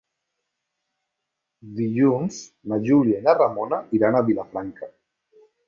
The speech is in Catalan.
Dilluns na Júlia i na Ramona iran a Vilafranca.